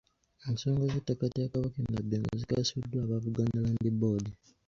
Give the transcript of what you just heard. Ensonga z'ettaka lya Kabaka e Nabbingo zikwasiddwa aba Buganda Land Board.